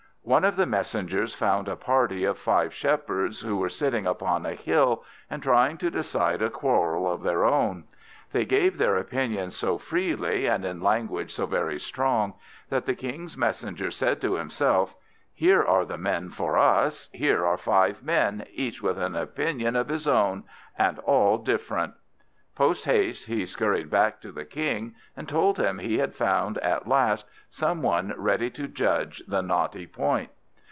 One of these messengers found a party of five Shepherds, who were sitting upon a hill and trying to decide a quarrel of their own. They gave their opinions so freely, and in language so very strong, that the King's messenger said to himself, "Here are the men for us. Here are five men, each with an opinion of his own, and all different." Post haste he scurried back to the King, and told him he had found at last some one ready to judge the knotty point.